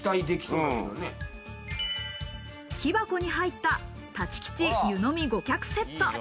木箱に入った、たち吉湯飲み５客セット。